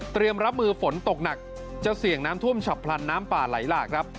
รับมือฝนตกหนักจะเสี่ยงน้ำท่วมฉับพลันน้ำป่าไหลหลากครับ